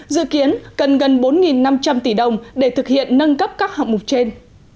dự kiến cần gần bốn năm trăm linh tỷ đồng để thực hiện nâng cấp các hạng mục trên